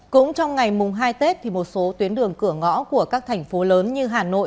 cũng trong ngày hai tết một số tuyến đường cửa ngõ của các thành phố lớn như hà nội